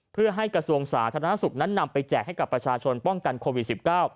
เพื่อให้กระทรวงสาธารณสุขนั้นนำไปแจกให้กับประชาชนป้องกันโควิด๑๙